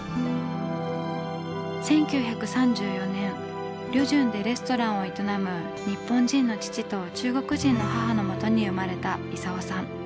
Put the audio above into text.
１９３４年旅順でレストランを営む日本人の父と中国人の母のもとに生まれた功さん。